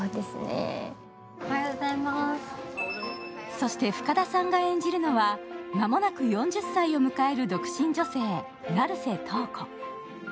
そして、深田さんが演じるのは間もなく４０歳を迎える独身女性・成瀬瞳子。